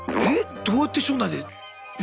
どうやって所内でえ？